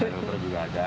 helikopter juga ada